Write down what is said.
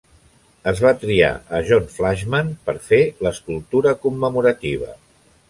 Es va triar a John Flaxman per fer l'escultura commemorativa.